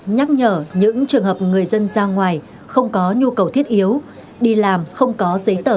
nhắc nhở những trường hợp người dân ra ngoài không có nhu cầu thiết yếu đi làm không có giấy tờ